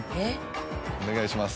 お願いします。